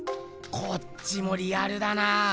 こっちもリアルだなぁ。